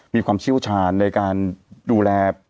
มีความเชี่ยวชาญในการดูแล